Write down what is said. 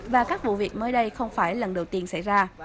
và các vụ việc mới đây không phải lần đầu tiên xảy ra